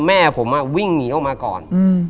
แม่ผมวิ่งหนีออกมาก่อน